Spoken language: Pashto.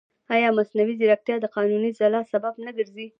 ایا مصنوعي ځیرکتیا د قانوني خلا سبب نه ګرځي؟